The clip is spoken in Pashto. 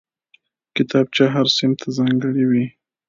کتابچه هر صنف ته ځانګړې وي